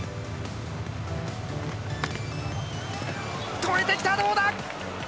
超えてきた、どうだ。